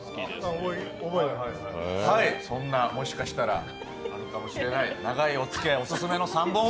そんな、もしかしたらあるかもしれないながー